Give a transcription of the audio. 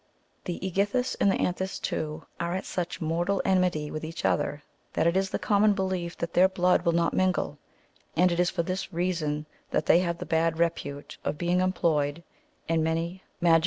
The aegithus and the anthus,^ too, are at such mortal enmity with each other, that it is the common belief that their blood will not mingle ; and it is for this reason that they have the bad repute of being employed in many magi 59 Probably the cHorion of c.